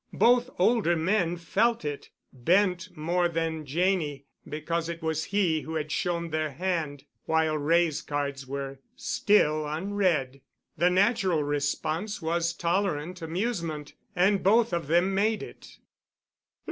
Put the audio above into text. Both older men felt it—Bent more than Janney, because it was he who had shown their hand, while Wray's cards were still unread. The natural response was tolerant amusement, and both of them made it.